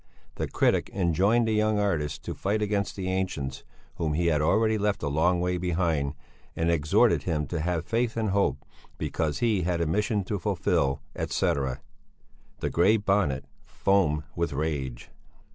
The critic enjoined the young artist to fight against the ancients, whom he had already left a long way behind, and exhorted him to have faith and hope, because he had a mission to fulfil, etc. The Grey Bonnet foamed with rage.